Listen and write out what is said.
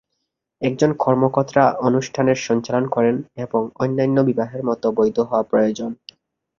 একজন কর্মকর্তা অনুষ্ঠান সঞ্চালন করেন এবং অন্যান্য বিবাহের মত বৈধ হওয়া প্রয়োজন।